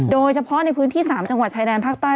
โดยเฉพาะในพื้นที่๓จังหวัดชายแดนภาคใต้